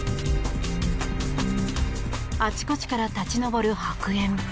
あちこちから立ち上る白煙。